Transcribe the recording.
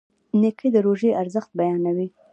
نیکه د روژې ارزښت بیانوي.